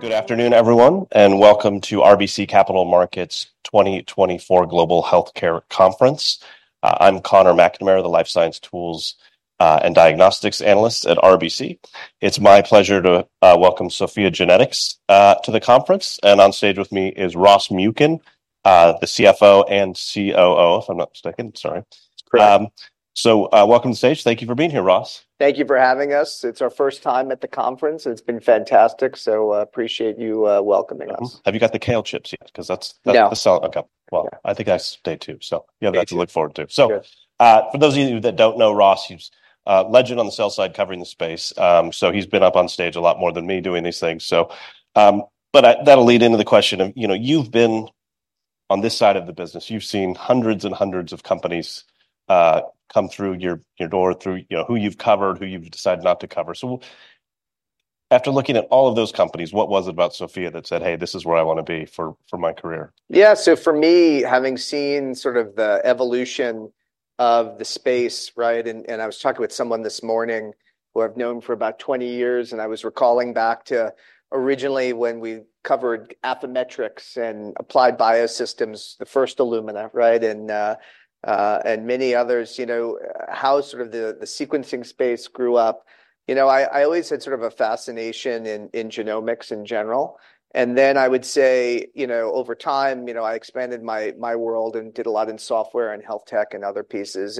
Good afternoon, everyone, and welcome to RBC Capital Markets 2024 Global Healthcare Conference. I'm Conor McNamara, the Life Science Tools and Diagnostics Analyst at RBC. It's my pleasure to welcome SOPHiA GENETICS to the conference, and on stage with me is Ross Muken, the CFO and COO, if I'm not mistaken. Sorry. It's great. Welcome to the stage. Thank you for being here, Ross. Thank you for having us. It's our first time at the conference. It's been fantastic, so I appreciate you welcoming us. Have you got the kale chips yet? Because that's the sell. Okay. Well, I think I stayed too, so you have that to look forward to. So for those of you that don't know Ross, he's a legend on the sell side covering the space. So he's been up on stage a lot more than me doing these things. But that'll lead into the question of, you know, you've been on this side of the business, you've seen hundreds and hundreds of companies come through your door, through who you've covered, who you've decided not to cover. So after looking at all of those companies, what was it about SOPHiA that said, "Hey, this is where I want to be for my career"? Yeah, so for me, having seen sort of the evolution of the space, right? And I was talking with someone this morning who I've known for about 20 years, and I was recalling back to originally when we covered Affymetrix and Applied Biosystems, the first Illumina, right? And many others, you know, how sort of the sequencing space grew up. You know, I always had sort of a fascination in genomics in general. And then I would say, you know, over time, you know, I expanded my world and did a lot in software and health tech and other pieces.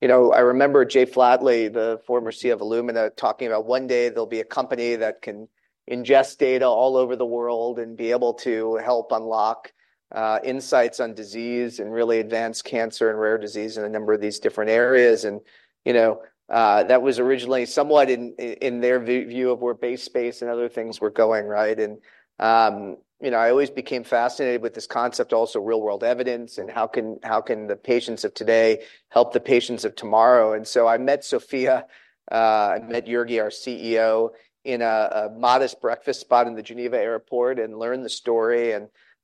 You know, I remember Jay Flatley, the former CEO of Illumina, talking about one day there'll be a company that can ingest data all over the world and be able to help unlock insights on disease and really advance cancer and rare disease in a number of these different areas. You know, that was originally somewhat in their view of where BaseSpace and other things were going, right? You know, I always became fascinated with this concept, also real-world evidence, and how can the patients of today help the patients of tomorrow? So I met SOPHiA and met Jurgi, our CEO, in a modest breakfast spot in the Geneva airport and learned the story.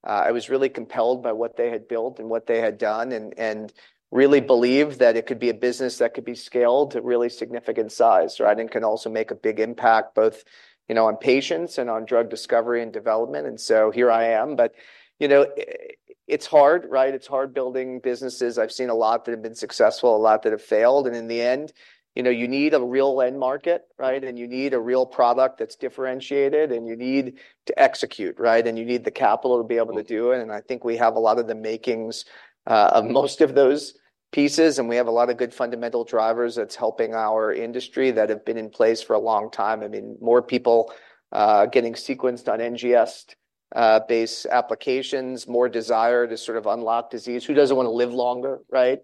I was really compelled by what they had built and what they had done and really believed that it could be a business that could be scaled to really significant size, right? And can also make a big impact both, you know, on patients and on drug discovery and development. And so here I am. But you know, it's hard, right? It's hard building businesses. I've seen a lot that have been successful, a lot that have failed. And in the end, you know, you need a real end market, right? And you need a real product that's differentiated, and you need to execute, right? And you need the capital to be able to do it. And I think we have a lot of the makings of most of those pieces, and we have a lot of good fundamental drivers that's helping our industry that have been in place for a long time. I mean, more people getting sequenced on NGS-based applications, more desire to sort of unlock disease. Who doesn't want to live longer, right?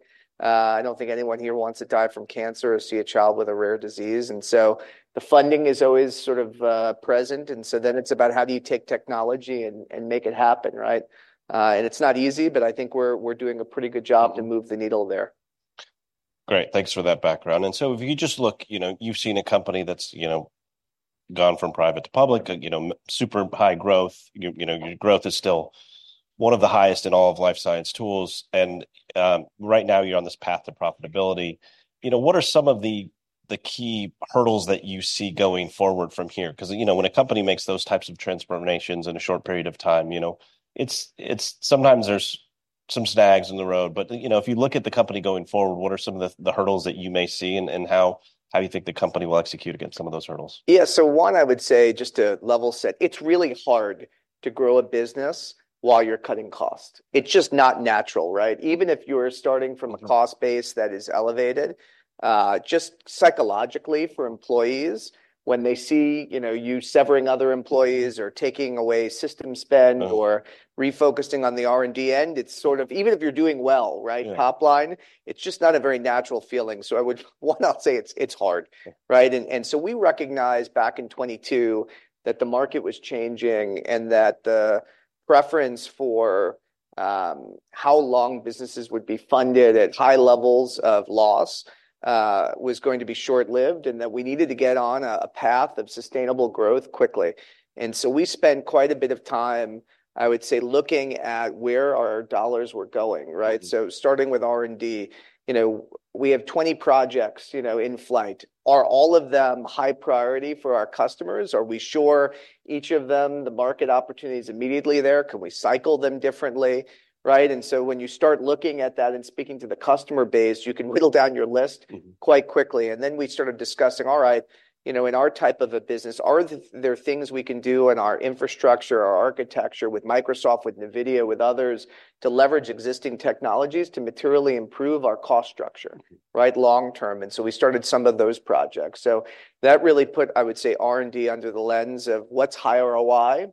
I don't think anyone here wants to die from cancer or see a child with a rare disease. And so the funding is always sort of present. And so then it's about how do you take technology and make it happen, right? And it's not easy, but I think we're doing a pretty good job to move the needle there. Great. Thanks for that background. So if you just look, you know, you've seen a company that's, you know, gone from private to public, you know, super high growth. You know, your growth is still one of the highest in all of Life Science Tools. Right now you're on this path to profitability. You know, what are some of the key hurdles that you see going forward from here? Because you know, when a company makes those types of transformations in a short period of time, you know, sometimes there's some snags in the road. But you know, if you look at the company going forward, what are some of the hurdles that you may see and how you think the company will execute against some of those hurdles? Yeah, so one, I would say just to level set, it's really hard to grow a business while you're cutting costs. It's just not natural, right? Even if you're starting from a cost base that is elevated, just psychologically for employees, when they see, you know, you severing other employees or taking away system spend or refocusing on the R&D end, it's sort of even if you're doing well, right? Top line, it's just not a very natural feeling. So I would, one, I'll say it's hard, right? And so we recognized back in 2022 that the market was changing and that the preference for how long businesses would be funded at high levels of loss was going to be short-lived and that we needed to get on a path of sustainable growth quickly. And so we spent quite a bit of time, I would say, looking at where our dollars were going, right? So starting with R&D, you know, we have 20 projects, you know, in flight. Are all of them high priority for our customers? Are we sure each of them, the market opportunity is immediately there? Can we cycle them differently, right? And so when you start looking at that and speaking to the customer base, you can whittle down your list quite quickly. And then we started discussing, all right, you know, in our type of a business, are there things we can do in our infrastructure, our architecture with Microsoft, with NVIDIA, with others to leverage existing technologies to materially improve our cost structure, right, long term? And so we started some of those projects. So that really put, I would say, R&D under the lens of what's high ROI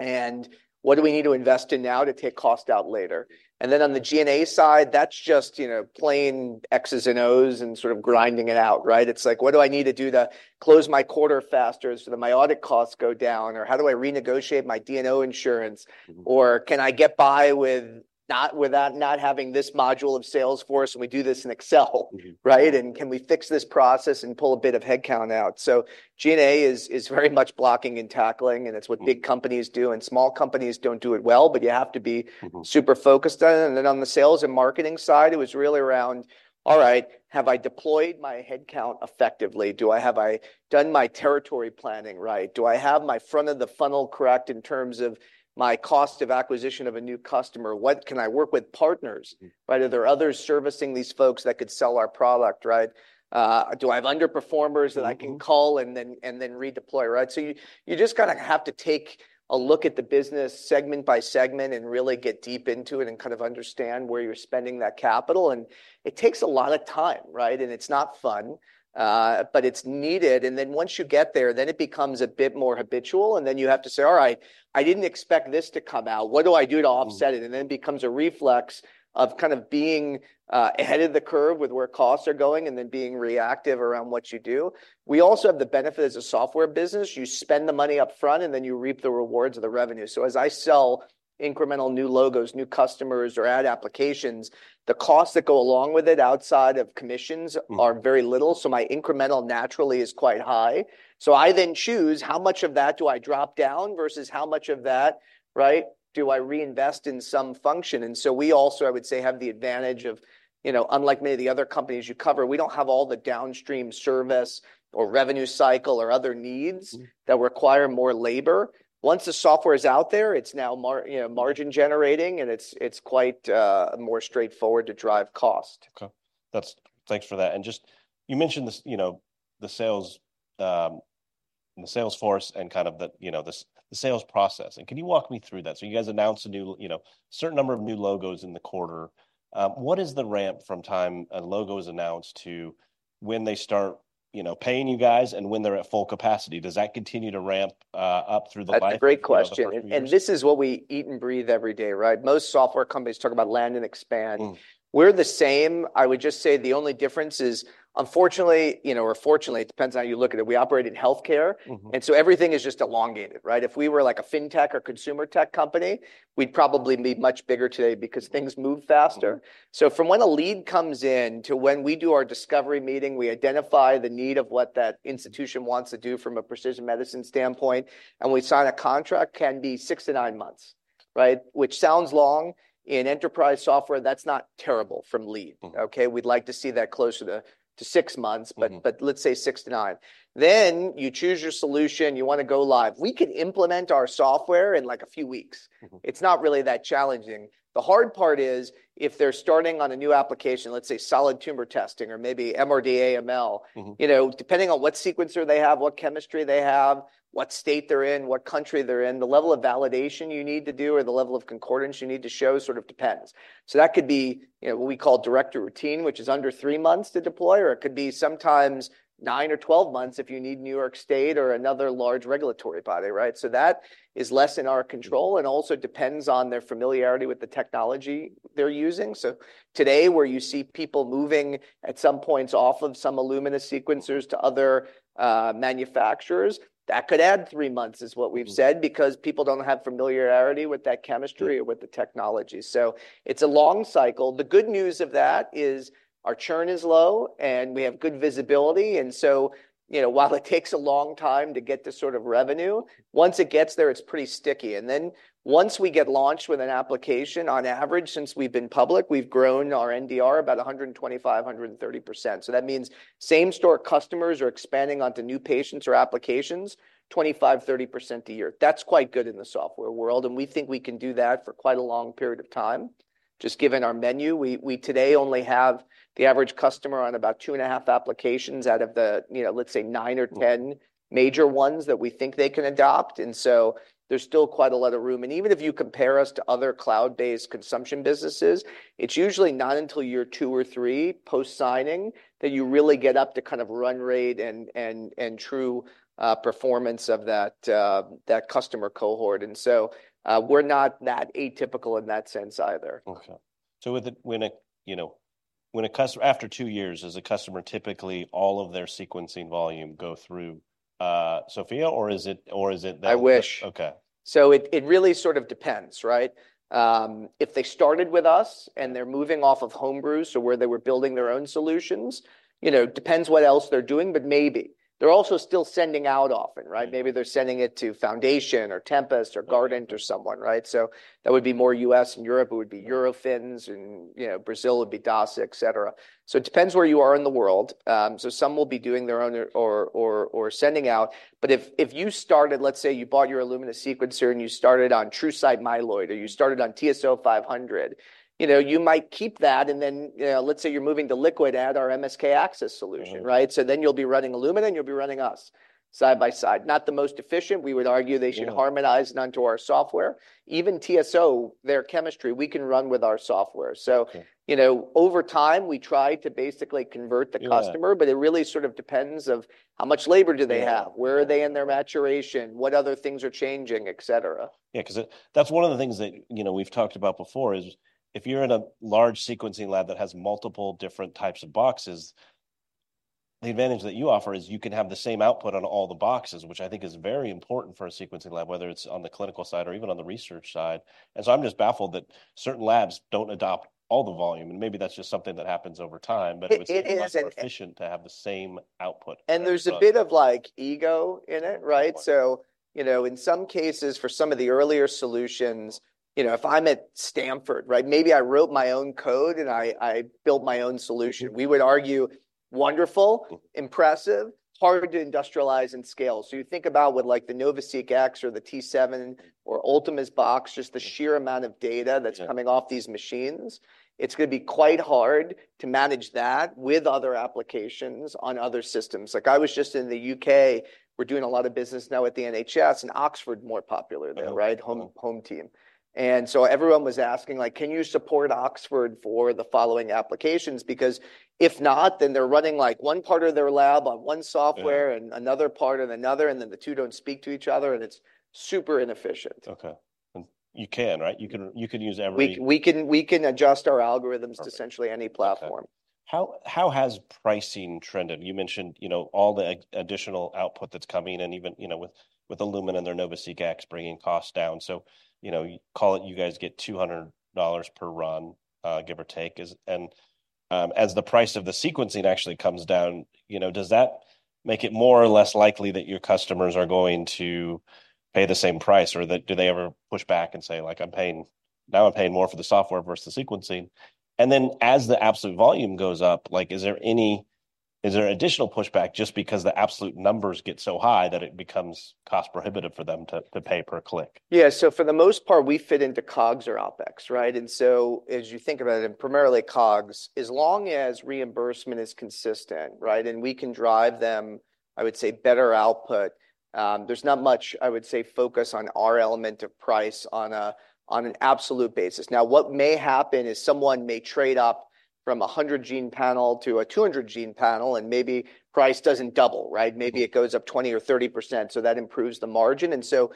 and what do we need to invest in now to take cost out later? And then on the G&A side, that's just, you know, plain X's and O's and sort of grinding it out, right? It's like, what do I need to do to close my quarter faster so the my audit costs go down? Or how do I renegotiate my D&O insurance? Or can I get by with not having this module of Salesforce and we do this in Excel, right? And can we fix this process and pull a bit of headcount out? So G&A is very much blocking and tackling, and it's what big companies do. And small companies don't do it well, but you have to be super focused on it. And then on the sales and marketing side, it was really around, all right, have I deployed my headcount effectively? Have I done my territory planning right? Do I have my front of the funnel correct in terms of my cost of acquisition of a new customer? Can I work with partners, right? Are there others servicing these folks that could sell our product, right? Do I have underperformers that I can call and then redeploy, right? So you just kind of have to take a look at the business segment by segment and really get deep into it and kind of understand where you're spending that capital. And it takes a lot of time, right? And it's not fun, but it's needed. And then once you get there, then it becomes a bit more habitual. And then you have to say, all right, I didn't expect this to come out. What do I do to offset it? And then it becomes a reflex of kind of being ahead of the curve with where costs are going and then being reactive around what you do. We also have the benefit as a software business. You spend the money upfront and then you reap the rewards of the revenue. So as I sell incremental new logos, new customers, or add applications, the costs that go along with it outside of commissions are very little. So my incremental naturally is quite high. So I then choose how much of that do I drop down versus how much of that, right, do I reinvest in some function? And so we also, I would say, have the advantage of, you know, unlike many of the other companies you cover, we don't have all the downstream service or revenue cycle or other needs that require more labor. Once the software is out there, it's now margin generating and it's quite more straightforward to drive cost. Okay. Thanks for that. And just you mentioned the sales force and kind of the sales process. And can you walk me through that? So you guys announced a certain number of new logos in the quarter. What is the ramp from time a logo is announced to when they start paying you guys and when they're at full capacity? Does that continue to ramp up through the life of SOPHiA? That's a great question. This is what we eat and breathe every day, right? Most software companies talk about land and expand. We're the same. I would just say the only difference is, unfortunately, you know, or fortunately, it depends on how you look at it. We operate in healthcare. And so everything is just elongated, right? If we were like a fintech or consumer tech company, we'd probably be much bigger today because things move faster. So from when a lead comes in to when we do our discovery meeting, we identify the need of what that institution wants to do from a precision medicine standpoint. And we sign a contract, can be 6-9 months, right? Which sounds long. In enterprise software, that's not terrible from lead, okay? We'd like to see that closer to 6 months, but let's say 6-9. Then you choose your solution. You want to go live. We can implement our software in like a few weeks. It's not really that challenging. The hard part is if they're starting on a new application, let's say solid tumor testing or maybe MRD-AML, you know, depending on what sequencer they have, what chemistry they have, what state they're in, what country they're in, the level of validation you need to do or the level of concordance you need to show sort of depends. So that could be what we call de novo routine, which is under three months to deploy. Or it could be sometimes nine or 12 months if you need New York State or another large regulatory body, right? So that is less in our control and also depends on their familiarity with the technology they're using. So today where you see people moving at some points off of some Illumina sequencers to other manufacturers, that could add 3 months is what we've said because people don't have familiarity with that chemistry or with the technology. So it's a long cycle. The good news of that is our churn is low and we have good visibility. And so, you know, while it takes a long time to get to sort of revenue, once it gets there, it's pretty sticky. And then once we get launched with an application, on average, since we've been public, we've grown our NDR about 125%-130%. So that means same store customers are expanding onto new patients or applications, 25%-30% a year. That's quite good in the software world. And we think we can do that for quite a long period of time, just given our menu. We today only have the average customer on about 2.5 applications out of the, you know, let's say 9 or 10 major ones that we think they can adopt. And so there's still quite a lot of room. And even if you compare us to other cloud-based consumption businesses, it's usually not until year 2 or 3 post-signing that you really get up to kind of run rate and true performance of that customer cohort. And so we're not that atypical in that sense either. Okay. So when a customer, after two years, does a customer typically all of their sequencing volume go through SOPHiA or is it that? I wish. Okay. So it really sort of depends, right? If they started with us and they're moving off of Homebrew, so where they were building their own solutions, you know, depends what else they're doing, but maybe. They're also still sending out often, right? Maybe they're sending it to Foundation Medicine or Tempus or Guardant or someone, right? So that would be more U.S. and Europe. It would be Eurofins and, you know, Brazil would be Dasa, et cetera. So it depends where you are in the world. So some will be doing their own or sending out. But if you started, let's say you bought your Illumina sequencer and you started on TruSight Myeloid or you started on TSO 500, you know, you might keep that. And then let's say you're moving to liquid add our MSK-ACCESS solution, right? So then you'll be running Illumina and you'll be running us side by side. Not the most efficient. We would argue they should harmonize and onto our software. Even TSO, their chemistry, we can run with our software. So, you know, over time, we try to basically convert the customer, but it really sort of depends on how much labor do they have? Where are they in their maturation? What other things are changing, et cetera? Yeah, because that's one of the things that, you know, we've talked about before is if you're in a large sequencing lab that has multiple different types of boxes, the advantage that you offer is you can have the same output on all the boxes, which I think is very important for a sequencing lab, whether it's on the clinical side or even on the research side. So I'm just baffled that certain labs don't adopt all the volume. And maybe that's just something that happens over time, but it would still be more efficient to have the same output. And there's a bit of like ego in it, right? So, you know, in some cases, for some of the earlier solutions, you know, if I'm at Stanford, right, maybe I wrote my own code and I built my own solution. We would argue, wonderful, impressive, hard to industrialize and scale. So you think about with like the NovaSeq X or the T7 or Ultima's box, just the sheer amount of data that's coming off these machines. It's going to be quite hard to manage that with other applications on other systems. Like I was just in the U.K., we're doing a lot of business now at the NHS and Oxford, more popular there, right? Home team. And so everyone was asking, like, can you support Oxford for the following applications? Because if not, then they're running like one part of their lab on one software and another part on another, and then the two don't speak to each other. And it's super inefficient. Okay. You can, right? You can use every. We can adjust our algorithms to essentially any platform. How has pricing trended? You mentioned, you know, all the additional output that's coming and even, you know, with Illumina and their NovaSeq X bringing costs down. So, you know, call it you guys get $200 per run, give or take. And as the price of the sequencing actually comes down, you know, does that make it more or less likely that your customers are going to pay the same price? Or do they ever push back and say, like, I'm paying, now I'm paying more for the software versus the sequencing? And then as the absolute volume goes up, like, is there any additional pushback just because the absolute numbers get so high that it becomes cost prohibitive for them to pay per click? Yeah. So for the most part, we fit into COGS or OPEX, right? And so as you think about it, and primarily COGS, as long as reimbursement is consistent, right? And we can drive them, I would say, better output. There's not much, I would say, focus on our element of price on an absolute basis. Now, what may happen is someone may trade up from a 100-gene panel to a 200-gene panel and maybe price doesn't double, right? Maybe it goes up 20% or 30%. So that improves the margin. And so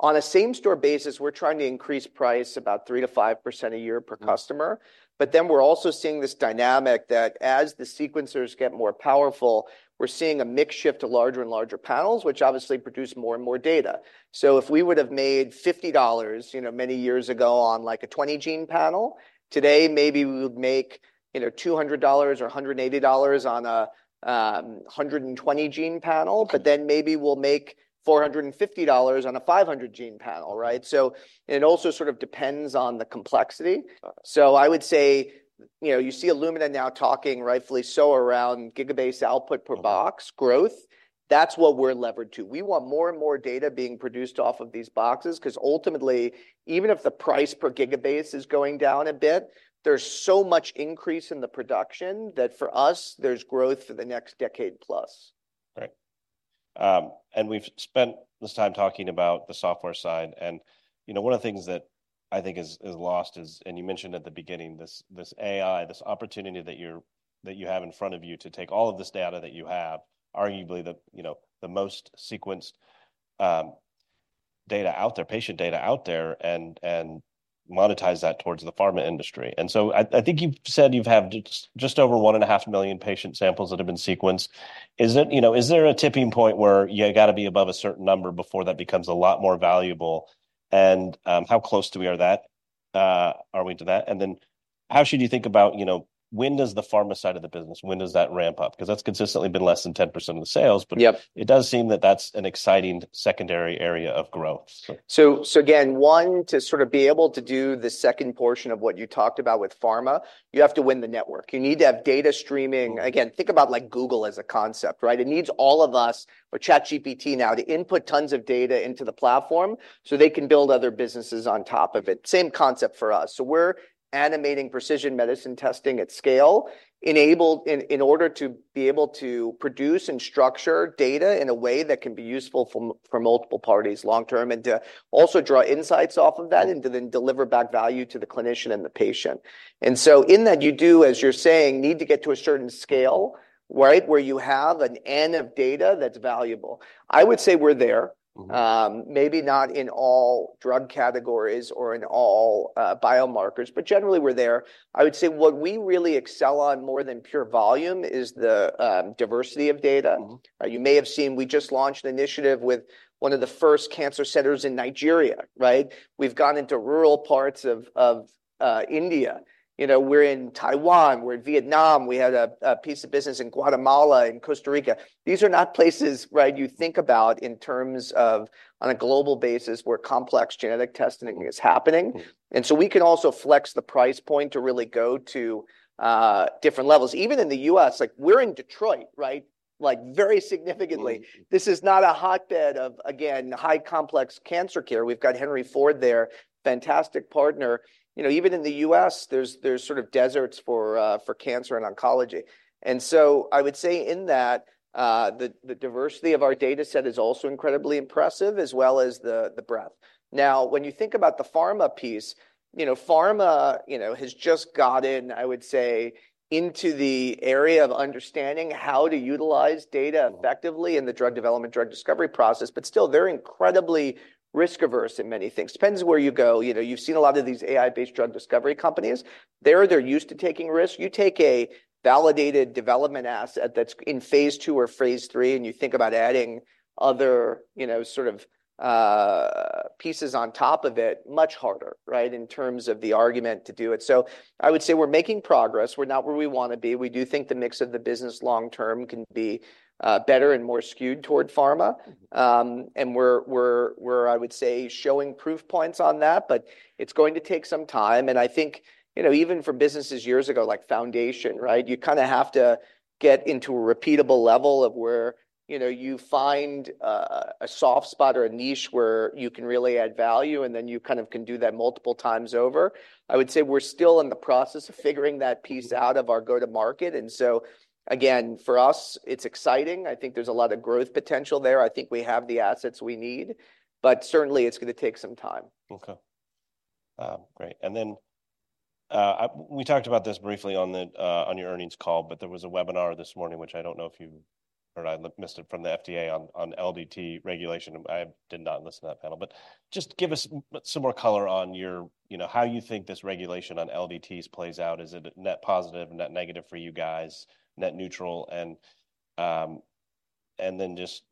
on a same-store basis, we're trying to increase price about 3%-5% a year per customer. But then we're also seeing this dynamic that as the sequencers get more powerful, we're seeing a mix shift to larger and larger panels, which obviously produce more and more data. So if we would have made $50, you know, many years ago on like a 20-gene panel, today maybe we would make, you know, $200 or $180 on a 120-gene panel, but then maybe we'll make $450 on a 500-gene panel, right? So it also sort of depends on the complexity. So I would say, you know, you see Illumina now talking rightfully so around gigabase output per box growth. That's what we're levered to. We want more and more data being produced off of these boxes because ultimately, even if the price per gigabase is going down a bit, there's so much increase in the production that for us, there's growth for the next decade plus. Right. And we've spent this time talking about the software side. And, you know, one of the things that I think is lost is, and you mentioned at the beginning, this AI, this opportunity that you have in front of you to take all of this data that you have, arguably the most sequenced data out there, patient data out there, and monetize that towards the pharma industry. And so I think you've said you've had just over 1.5 million patient samples that have been sequenced. Is there a tipping point where you got to be above a certain number before that becomes a lot more valuable? And how close to where are we to that? And then how should you think about, you know, when does the pharma side of the business, when does that ramp up? Because that's consistently been less than 10% of the sales, but it does seem that that's an exciting secondary area of growth. So again, one, to sort of be able to do the second portion of what you talked about with pharma, you have to win the network. You need to have data streaming. Again, think about like Google as a concept, right? It needs all of us, but ChatGPT now, to input tons of data into the platform so they can build other businesses on top of it. Same concept for us. So we're animating precision medicine testing at scale in order to be able to produce and structure data in a way that can be useful for multiple parties long-term and to also draw insights off of that and to then deliver back value to the clinician and the patient. And so in that, you do, as you're saying, need to get to a certain scale, right, where you have an N of data that's valuable. I would say we're there, maybe not in all drug categories or in all biomarkers, but generally we're there. I would say what we really excel on more than pure volume is the diversity of data, right? You may have seen we just launched an initiative with one of the first cancer centers in Nigeria, right? We've gone into rural parts of India. You know, we're in Taiwan. We're in Vietnam. We had a piece of business in Guatemala and Costa Rica. These are not places, right, you think about in terms of, on a global basis, where complex genetic testing is happening. And so we can also flex the price point to really go to different levels. Even in the U.S., like we're in Detroit, right? Like very significantly. This is not a hotbed of, again, high-complex cancer care. We've got Henry Ford there, fantastic partner. You know, even in the U.S., there's sort of deserts for cancer and oncology. And so I would say in that, the diversity of our data set is also incredibly impressive as well as the breadth. Now, when you think about the pharma piece, you know, pharma, you know, has just gotten into the area of understanding how to utilize data effectively in the drug development, drug discovery process, but still they're incredibly risk-averse in many things. Depends where you go. You know, you've seen a lot of these AI-based drug discovery companies. They're used to taking risks. You take a validated development asset that's in phase II or phase III and you think about adding other, you know, sort of pieces on top of it much harder, right, in terms of the argument to do it. So I would say we're making progress. We're not where we want to be. We do think the mix of the business long-term can be better and more skewed toward pharma. We're, I would say, showing proof points on that. But it's going to take some time. I think, you know, even for businesses years ago, like Foundation, right, you kind of have to get into a repeatable level of where, you know, you find a soft spot or a niche where you can really add value and then you kind of can do that multiple times over. I would say we're still in the process of figuring that piece out of our go-to-market. So again, for us, it's exciting. I think there's a lot of growth potential there. I think we have the assets we need. But certainly it's going to take some time. Okay. Great. And then we talked about this briefly on your earnings call, but there was a webinar this morning, which I don't know if you or I missed it from the FDA on LDT regulation. I did not listen to that panel. But just give us some more color on how you think this regulation on LDTs plays out. Is it net positive, net negative for you guys, net neutral? And then just,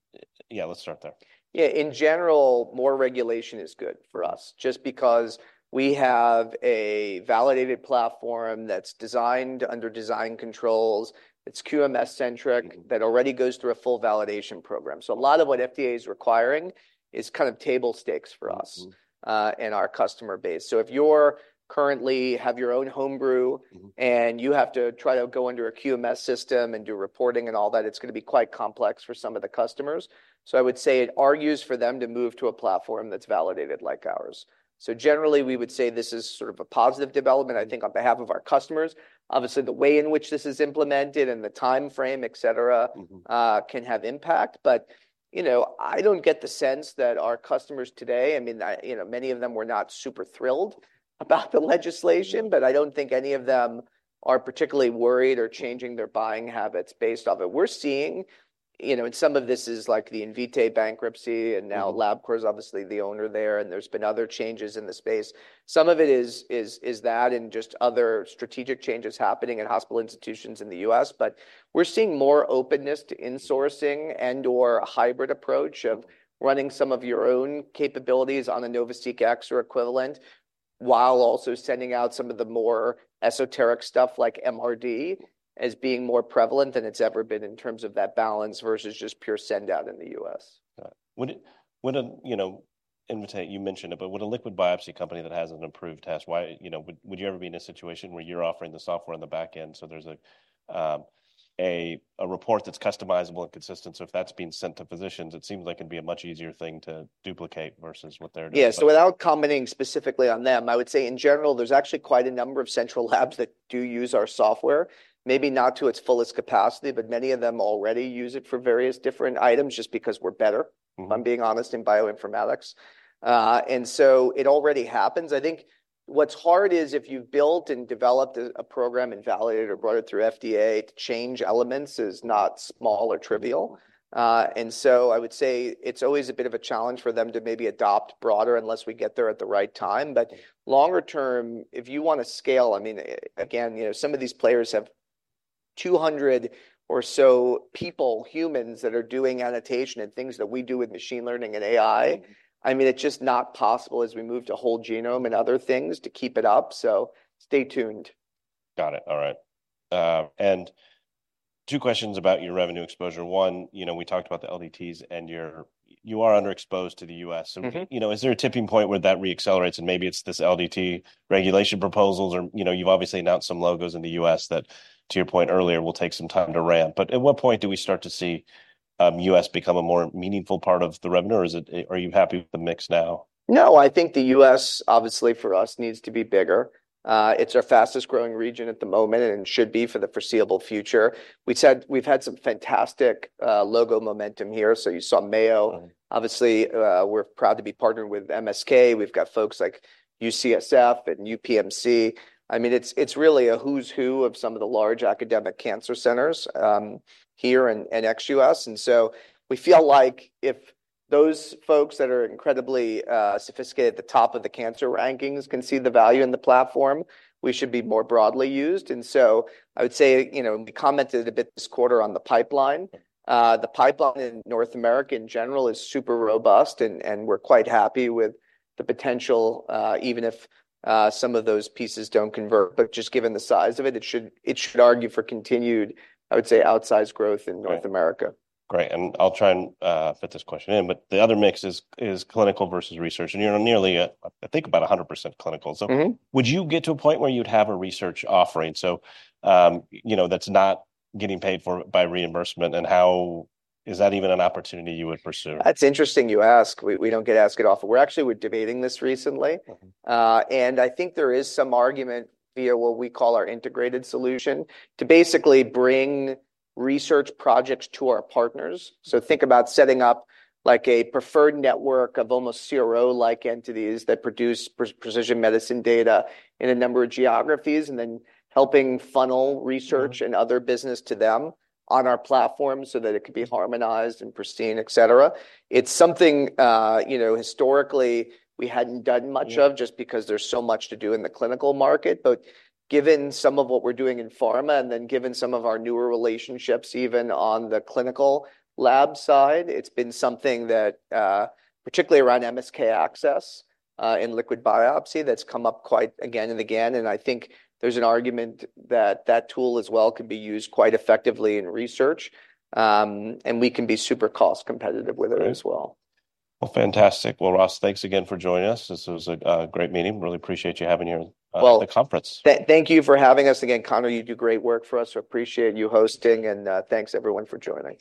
yeah, let's start there. Yeah. In general, more regulation is good for us just because we have a validated platform that's designed under design controls. It's QMS-centric that already goes through a full validation program. So a lot of what FDA is requiring is kind of table stakes for us and our customer base. So if you currently have your own Homebrew and you have to try to go under a QMS system and do reporting and all that, it's going to be quite complex for some of the customers. So I would say it argues for them to move to a platform that's validated like ours. So generally, we would say this is sort of a positive development, I think, on behalf of our customers. Obviously, the way in which this is implemented and the timeframe, et cetera, can have impact. But, you know, I don't get the sense that our customers today, I mean, you know, many of them were not super thrilled about the legislation, but I don't think any of them are particularly worried or changing their buying habits based off of it. We're seeing, you know, and some of this is like the Invitae bankruptcy and now LabCorp is obviously the owner there, and there's been other changes in the space. Some of it is that and just other strategic changes happening at hospital institutions in the U.S. But we're seeing more openness to insourcing and/or a hybrid approach of running some of your own capabilities on a NovaSeq X or equivalent while also sending out some of the more esoteric stuff like MRD as being more prevalent than it's ever been in terms of that balance versus just pure send-out in the U.S. When, you know, Invitae, you mentioned it, but with a liquid biopsy company that has an improved test, why, you know, would you ever be in a situation where you're offering the software on the back end so there's a report that's customizable and consistent? If that's being sent to physicians, it seems like it'd be a much easier thing to duplicate versus what they're doing. Yeah. So without commenting specifically on them, I would say in general, there's actually quite a number of central labs that do use our software, maybe not to its fullest capacity, but many of them already use it for various different items just because we're better, if I'm being honest, in bioinformatics. And so it already happens. I think what's hard is if you've built and developed a program and validated or brought it through FDA, to change elements is not small or trivial. And so I would say it's always a bit of a challenge for them to maybe adopt broader unless we get there at the right time. But longer term, if you want to scale, I mean, again, you know, some of these players have 200 or so people, humans, that are doing annotation and things that we do with machine learning and AI. I mean, it's just not possible as we move to whole genome and other things to keep it up. So stay tuned. Got it. All right. And two questions about your revenue exposure. One, you know, we talked about the LDTs and you are underexposed to the U.S. So, you know, is there a tipping point where that reaccelerates and maybe it's this LDT regulation proposals or, you know, you've obviously announced some logos in the U.S. that, to your point earlier, will take some time to ramp? But at what point do we start to see the U.S. become a more meaningful part of the revenue? Or are you happy with the mix now? No, I think the U.S., obviously for us, needs to be bigger. It's our fastest-growing region at the moment and should be for the foreseeable future. We've had some fantastic logo momentum here. So you saw Mayo. Obviously, we're proud to be partnered with MSK. We've got folks like UCSF and UPMC. I mean, it's really a who's who of some of the large academic cancer centers here and ex-U.S. And so we feel like if those folks that are incredibly sophisticated at the top of the cancer rankings can see the value in the platform, we should be more broadly used. And so I would say, you know, we commented a bit this quarter on the pipeline. The pipeline in North America in general is super robust and we're quite happy with the potential, even if some of those pieces don't convert. Just given the size of it, it should argue for continued, I would say, outsized growth in North America. Great. I'll try and fit this question in. But the other mix is clinical versus research. And you're nearly, I think, about 100% clinical. So would you get to a point where you'd have a research offering? So, you know, that's not getting paid for by reimbursement. And how is that even an opportunity you would pursue? That's interesting you ask. We don't get asked it often. We're actually debating this recently. I think there is some argument via what we call our integrated solution to basically bring research projects to our partners. Think about setting up like a preferred network of almost CRO-like entities that produce precision medicine data in a number of geographies and then helping funnel research and other business to them on our platform so that it could be harmonized and pristine, et cetera. It's something, you know, historically we hadn't done much of just because there's so much to do in the clinical market. But given some of what we're doing in pharma and then given some of our newer relationships even on the clinical lab side, it's been something that, particularly around MSK-ACCESS in liquid biopsy, that's come up quite again and again. I think there's an argument that that tool as well could be used quite effectively in research. We can be super cost-competitive with it as well. Well, fantastic. Well, Ross, thanks again for joining us. This was a great meeting. Really appreciate you having me at the conference. Thank you for having us again, Connor. You do great work for us. We appreciate you hosting. Thanks, everyone, for joining.